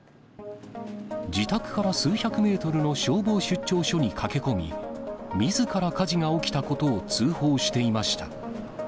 自宅から数百メートルの消防出張所に駆け込み、みずから火事が起きたことを通報していました。